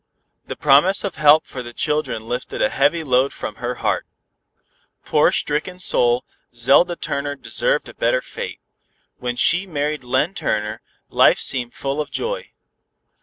The promise of help for the children lifted a heavy load from her heart. Poor stricken soul, Zelda Turner deserved a better fate. When she married Len Turner, life seemed full of joy.